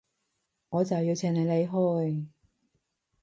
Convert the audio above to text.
我就要請你離開